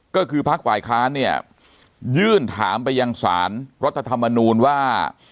ก็คือภาคฝ่ายค้านเนี่ยยื่นถามไปยังสารรัฐธรรมนูลว่า